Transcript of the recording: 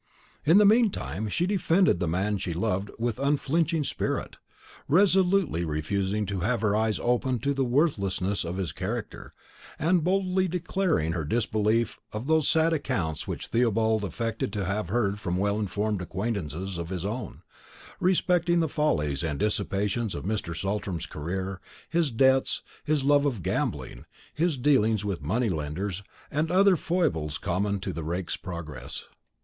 In the meantime she defended the man she loved with an unflinching spirit, resolutely refusing to have her eyes opened to the worthlessness of his character, and boldly declaring her disbelief of those sad accounts which Theobald affected to have heard from well informed acquaintance of his own, respecting the follies and dissipations of Mr. Saltram's career, his debts, his love of gambling, his dealings with money lenders, and other foibles common to the rake's progress.